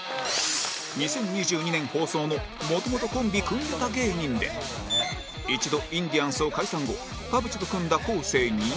２０２２年放送の元々コンビ組んでた芸人で一度インディアンスを解散後田渕と組んだ昴生に